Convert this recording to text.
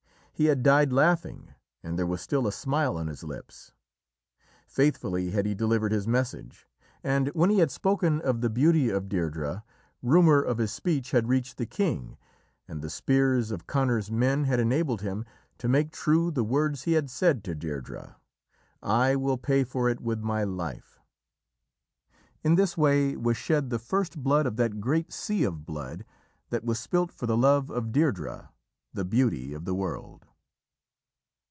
He had died laughing, and there was still a smile on his lips. Faithfully had he delivered his message, and when he had spoken of the beauty of Deirdrê, rumour of his speech had reached the king, and the spears of Conor's men had enabled him to make true the words he had said to Deirdrê: "I will pay for it with my life." In this way was shed the first blood of that great sea of blood that was spilt for the love of Deirdrê, the Beauty of the World.